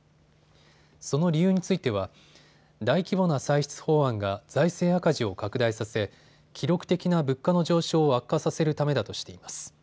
その理由については大規模な歳出法案が財政赤字を拡大させ記録的な物価の上昇を悪化させるためだとしています。